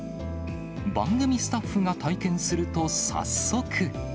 番組スタッフが体験すると、早速。